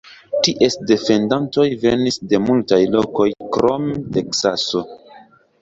Ties defendantoj venis de multaj lokoj krom Teksaso.